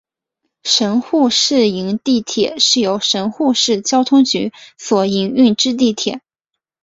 神户市营地铁是由神户市交通局所营运之地铁。